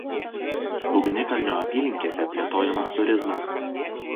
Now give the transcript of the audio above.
Ugnikalnio apylinkėse plėtojamas turizmas.